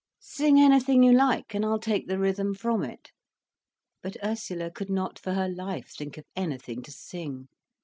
"Sing anything you like, and I'll take the rhythm from it." But Ursula could not for her life think of anything to sing.